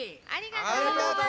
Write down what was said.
ありがとう！